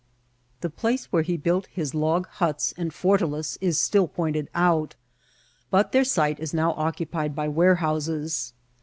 The place wher^ he bulk his log huts and fortalice is still pointed out ; but their site is now occupied by warehouses.